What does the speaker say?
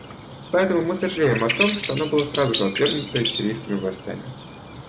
Поэтому мы сожалеем о том, что оно было сразу же отвергнуто сирийскими властями.